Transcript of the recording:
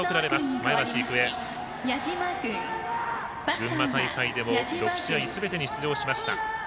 群馬大会でも６試合すべてに出場しました。